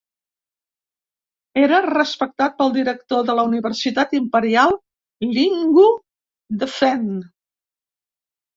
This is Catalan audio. Era respectat pel director de la universitat imperial, Linghu Defen.